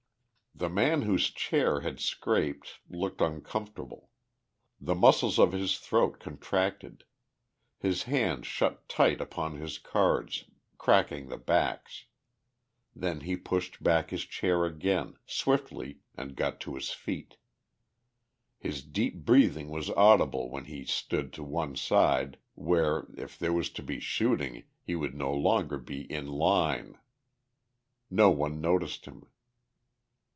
The man whose chair had scraped looked uncomfortable; the muscles of his throat contracted; his hand shut tight upon his cards, cracking the backs; then he pushed back his chair again, swiftly, and got to his feet. His deep breathing was audible when he stood to one side where, if there was to be shooting, he would no longer be "in line." No one noticed him.